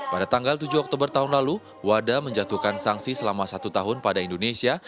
pada tanggal tujuh oktober tahun lalu wada menjatuhkan sanksi selama satu tahun pada indonesia